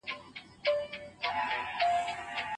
د منظمې املا لیکل د خط په سمولو کي مرسته کوي.